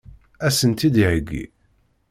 Ad sen-tt-id-heggiɣ?